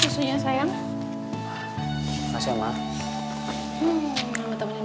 supaya semangat bajanya